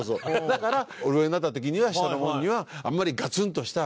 だから上になった時には下の者にはあんまりガツンとした